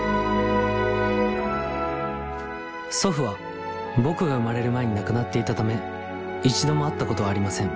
祖父は僕が生まれる前に亡くなっていたため一度も会ったことはありません。